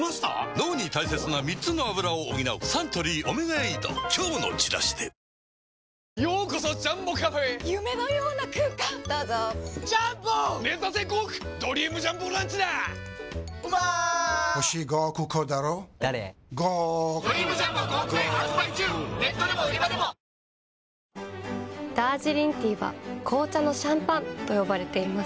脳に大切な３つのアブラを補うサントリー「オメガエイド」今日のチラシでダージリンティーは紅茶のシャンパンと呼ばれています。